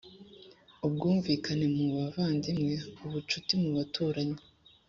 ubwumvikane mu bavandimwe, ubucuti mu baturanyi,